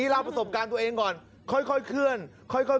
หัวทางด่วนตรงนี้